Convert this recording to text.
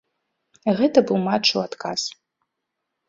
Гэта быў матч у адказ.